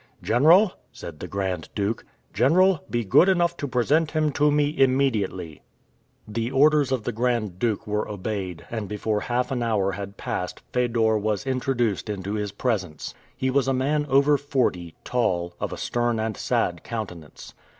"General," said the Grand Duke, "General, be good enough to present him to me immediately." The orders of the Grand Duke were obeyed, and before half an hour had passed, Fedor was introduced into his presence. He was a man over forty, tall, of a stern and sad countenance.